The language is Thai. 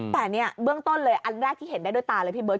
แต่เนี่ยเบื้องต้นเลยอันแรกที่เห็นได้ด้วยตาเลยพี่เบิร์